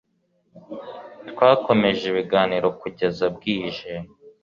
Twakomeje ibiganiro kugeza bwije